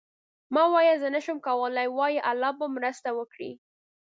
مه وایه زه نشم کولی، وایه الله به مرسته وکړي.